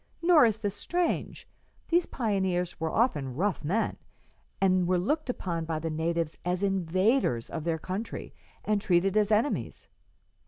Nor is this strange. These pioneers were often rough men, and were looked upon by the natives as invaders of their country and treated as enemies.